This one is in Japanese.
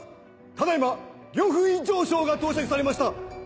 ただ今呂不韋丞相が到着されました。